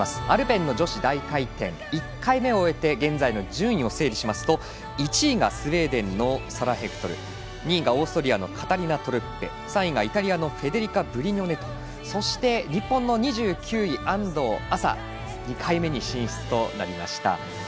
アルペンの女子大回転１回目を終えて現在の順位を整理しますと１位がスウェーデンのサラ・ヘクトル２位がオーストリアのカタリナ・トルッペ３位がイタリアのフェデリカ・ブリニョネそして日本の２９位、安藤麻２回目に進出となりました。